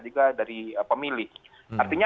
juga dari pemilih artinya